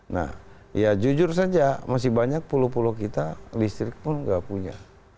nah ya jujur saja masih banyak pulau pulau kita listrik pun nggak punya